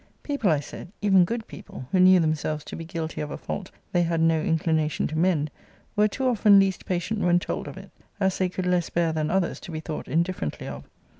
People, I said, even good people, who knew themselves to be guilty of a fault they had no inclination to mend, were too often least patient when told of it; as they could less bear than others to be thought indifferently of.'